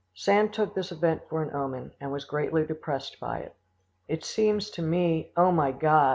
Sand took this event for an omen, and was greatly depressed by it. "It seems to me, O my God!"